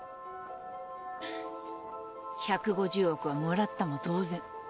１５０億はもらったも同然。